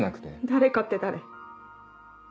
誰かって誰？